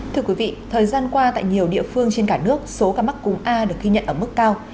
thưa quý vị thời gian qua tại nhiều địa phương trên cả nước số ca mắc cúm a được ghi nhận ở mức cao